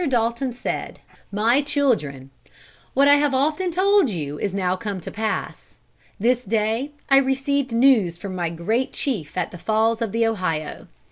Dalton said: "MY CHILDREN, What I have often told you is now come to pass. This day I received news from my great chief at the Falls of the Ohio.